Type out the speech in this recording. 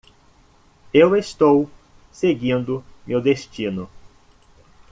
Eu estou seguindo meu destino.